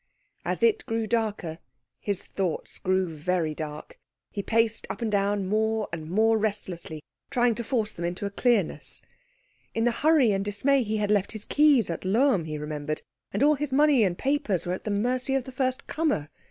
As it grew darker, his thoughts grew very dark. He paced up and down more and more restlessly, trying to force them into clearness. In the hurry and dismay he had left his keys at Lohm, he remembered, and all his money and papers were at the mercy of the first comer.